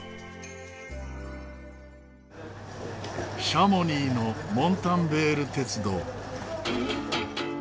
シャモニーのモンタンヴェール鉄道。